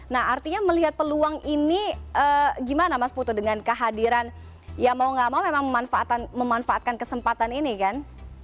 nah artinya melihat peluang ini gimana mas putu dengan kehadiran ya mau gak mau memang memanfaatkan kesempatan ini kan